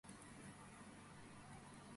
ნელსონი მუშაობდა ბევრ შემსრულებელთან.